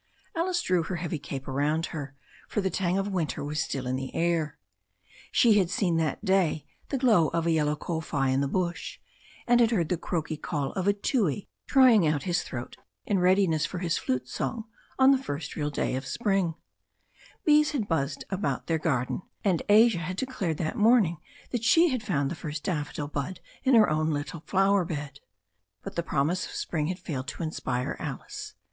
Alice drew her heavy cape around her, for the tang of winter was still in the air. She had seen that day the glow of a yellow kowhai in the bush, and had heard the croaky call of a tui trying out his throat in readiness for his flute song on the first real spring day. Bees had buzzed about their new garden, and Asia had declared that morn ing that she had found the first daffodil bud in her own little flower bed. But the promise of spring had failed to inspire Alice.